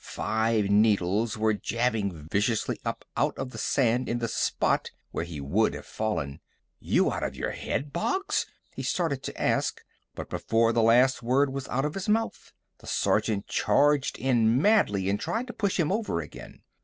Five needles were jabbing viciously up out of the sand in the spot where he would have fallen. "You out of your head, Boggs?" he started to ask but before the last word was out of his mouth, the sergeant charged in madly and tried to push him over again.